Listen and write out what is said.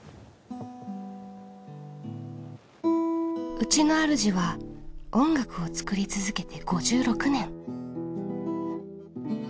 うちのあるじは音楽を作り続けて５６年。